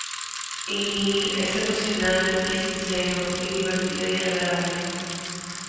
Y... Es emocional y sincero y divertido y agradable.